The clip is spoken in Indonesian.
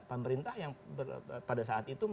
pemerintah yang pada saat itu